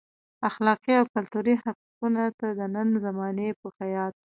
اخلاقي او کلتوري حقیقتونو ته د نن زمانې په خیاط.